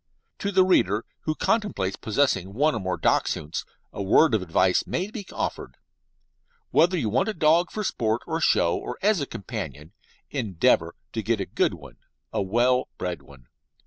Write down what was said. To the reader who contemplates possessing one or more Dachshunds a word of advice may be offered. Whether you want a dog for sport, for show, or as a companion, endeavour to get a good one a well bred one.